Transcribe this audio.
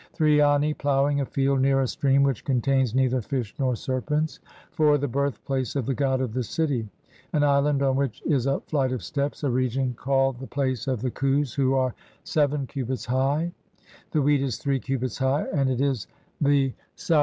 (3) Ani ploughing a field near a stream which contains neither fish nor serpents. (4) The birthplace of the god of the city ; an island on which is a flight of steps ; a region called the place of the khus who are seven cubits high, the wheat is three cubits high and it is the sa.